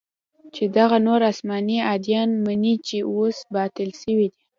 چې دغه نور اسماني اديان مني چې اوس باطل سوي دي.